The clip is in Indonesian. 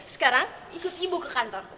sekarang ikut ibu ke kantor